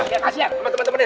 ya mas ya sama temen temennya